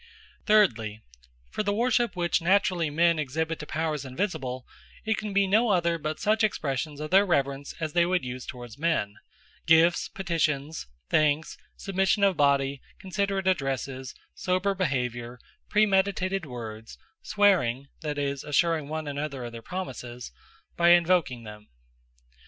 But Honour Them As They Honour Men Thirdly, for the worship which naturally men exhibite to Powers invisible, it can be no other, but such expressions of their reverence, as they would use towards men; Gifts, Petitions, Thanks, Submission of Body, Considerate Addresses, sober Behaviour, premeditated Words, Swearing (that is, assuring one another of their promises,) by invoking them.